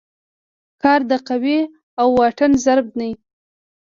کار د قوې او واټن ضرب دی.